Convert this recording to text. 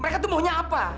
mereka tuh maunya apa